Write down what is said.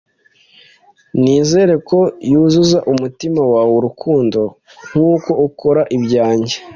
nizere ko yuzuza umutima wawe urukundo nkuko ukora ibyanjye